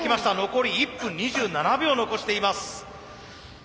残り１分２７秒残しています。